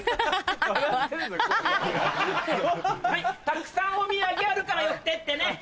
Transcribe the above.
たくさんお土産あるから寄ってってね！